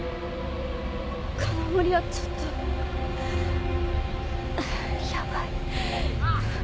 この森はちょっとヤバい。